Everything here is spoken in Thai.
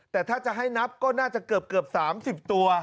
แต่ถ้าจะให้นับก็น่าจะเกือบ๓๐ตัว